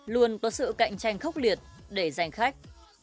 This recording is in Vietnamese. luôn có sự cạnh tranh khốc liệt để giành khách